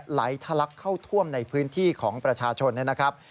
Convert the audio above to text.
ไหลทะลักเข้าท่วมในพื้นที่ของประชาชนนะครับ